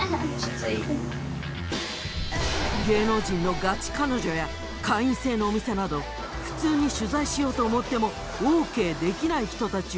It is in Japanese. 芸能人のガチ彼女や会員制のお店など普通に取材しようと思ってもオーケーできない人たちを。